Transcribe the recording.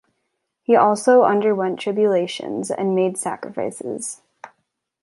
He also underwent tribulations and made sacrifices.